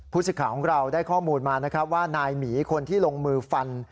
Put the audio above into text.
สิทธิ์ของเราได้ข้อมูลมานะครับว่านายหมีคนที่ลงมือฟัน